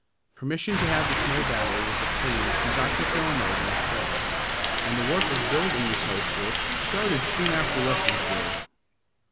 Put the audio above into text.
Permission to have the snow battle was obtained from Dr. Fillmore the next day, and the work of building the snow fort started soon after lessons were over.